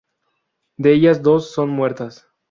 De ellas dos son muertas.